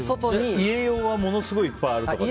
家用はものすごいいっぱいあるってこと？